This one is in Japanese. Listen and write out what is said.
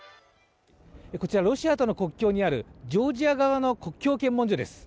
こちらロシアとの国境にあるジョージア側の国境検問所です